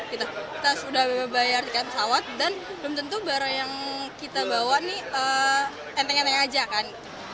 kita sudah bayar tiket pesawat dan belum tentu barang yang kita bawa nih enteng enteng aja kan